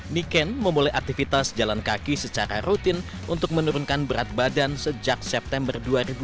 niken memulai aktivitas jalan kaki secara rutin untuk menurunkan berat badan sejak september dua ribu dua puluh